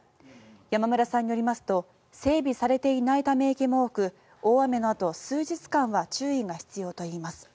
山村さんによりますと整備されていないため池も多く大雨のあと数日間は注意が必要といいます。